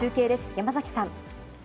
山崎さん。